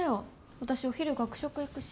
私、お昼、学食行くし。